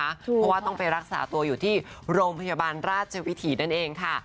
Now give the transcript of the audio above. เพราะว่าต้องไปรักษาตัวอยู่ที่โรงพยาบาลราชวิถีนั่นเองค่ะ